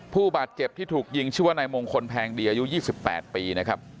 ผู้บาดเจ็บที่ถูกยิงชื่อว่านายมงคลแพงดีอายุ๒๘ปีนะครับ